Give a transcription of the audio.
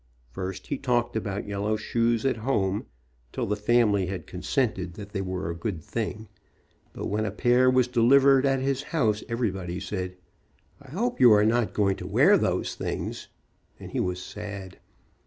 First he talked about yellow shoes at home, until the fam ily had consented that they were a good thing, but when a pair was delivered at his house everybody said, "I hope you are not going to wear those things," and he was sad.